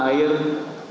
di mana mereka adaelen